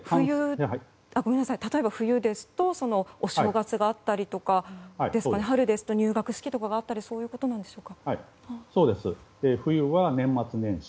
例えば冬ですとお正月があったりですとか春だと入学式があったりそういうことでしょうか。